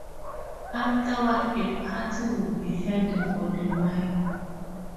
Afterward, a party would be held for the "maiko".